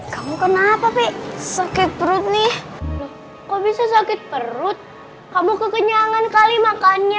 kamu kenapa pak sakit perut nih kok bisa sakit perut kamu kekenyangan kali makannya